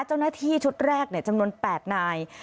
เจ้าหน้าที่ชุดแรกจำนวน๘นาย